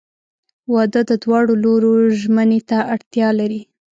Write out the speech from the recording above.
• واده د دواړو لورو ژمنې ته اړتیا لري.